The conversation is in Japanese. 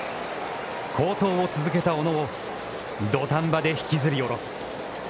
好投を続けた小野を、土壇場で引きずりおろす。